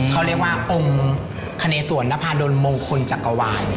เขาเรียกว่าองค์คเนสวนนภาดลมงคลจักรวาล